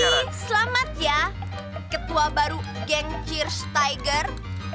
jadi selamat ya ketua baru geng cheers tiger